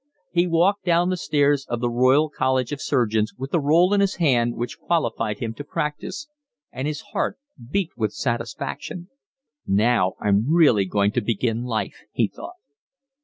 He walked down the stairs of the Royal College of Surgeons with the roll in his hand which qualified him to practice, and his heart beat with satisfaction. "Now I'm really going to begin life," he thought.